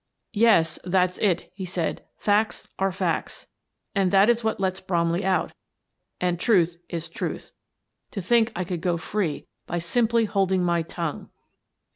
" Yes, that's it," he said, " facts are facts, and that is what lets Bromley out. And truth is truth. To think that I could go free by simply holding my tongue!"